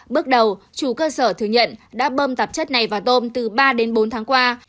bước đầu chủ cơ sở thừa nhận đã bơm tạp chất này vào tôm từ ba đến bốn tháng qua